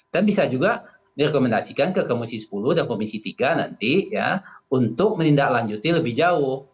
dan bisa juga direkomendasikan ke komisi sepuluh dan komisi tiga nanti ya untuk menindaklanjuti lebih jauh